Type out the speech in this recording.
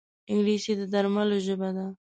انګلیسي د درملو ژبه ده